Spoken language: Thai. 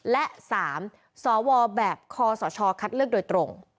และ๓สวแบบคศคัดเลือกโดยตรง